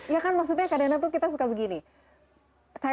ya kan maksudnya kadang kadang pilihan menggunakannya